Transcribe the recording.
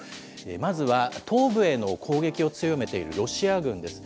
まずは東部への攻撃を強めているロシア軍です。